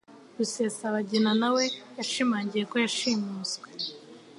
Rusesabagina na we yashimangiye ko yashimuswe